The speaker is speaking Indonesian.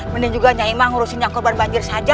mending juga nyai ma urusin yang korban banjir saja